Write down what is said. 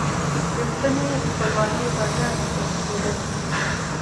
ریښتینې خپلواکي پر ځان متکي کېدل دي.